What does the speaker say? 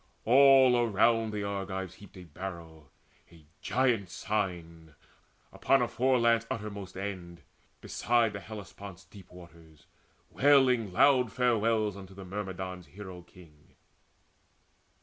All around The Argives heaped a barrow, a giant sign, Upon a foreland's uttermost end, beside The Hellespont's deep waters, wailing loud Farewells unto the Myrmidons' hero king.